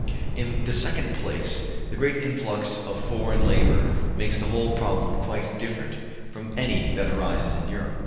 In the second place, the great influx of foreign labor makes the whole problem quite different from any that arises in Europe.